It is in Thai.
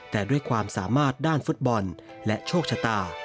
แต่ด้วยความสามารถด้านฟุตบอลและโชคชะตา